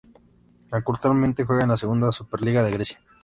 Actualmente juega en la Segunda Superliga de Grecia.